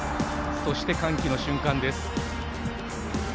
そして、歓喜の瞬間です。